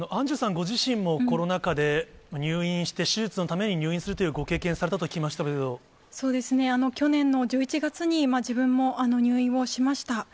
ご自身もコロナ禍で、入院して、手術のために入院するというご経験されたと聞きそうですね、去年の１１月に自分も入院をしました。